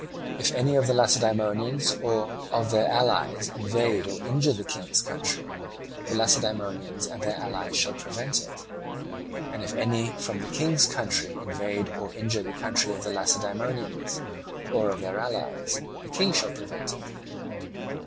If any of the Lacedaemonians or of their allies invade or injure the King's country, the Lacedaemonians and their allies shall prevent it: and if any from the King's country invade or injure the country of the Lacedaemonians or of their allies, the King shall prevent it.